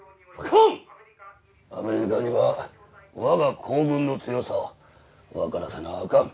アメリカには我が皇軍の強さを分からせなあかん。